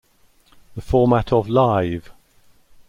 The format of Live!